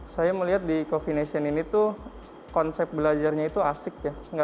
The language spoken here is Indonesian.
saya melihat di coffee nation ini tuh konsep belajarnya itu asik ya